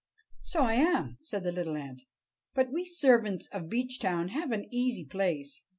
"So I am," said the little ant. "But we servants of Beechtown have an easy place.